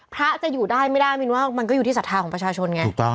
พระจะอยู่ได้ไม่ได้มินว่ามันก็อยู่ที่ศรัทธาของประชาชนไง